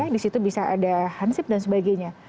di situ bisa ada hansip dan sebagainya